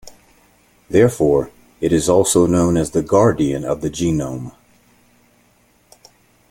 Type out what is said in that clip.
Therefore, it is also known as the guardian of the genome.